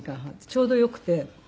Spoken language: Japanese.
ちょうどよくて。